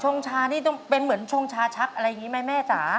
งชานี่ต้องเป็นเหมือนชงชาชักอะไรอย่างนี้ไหมแม่จ๋า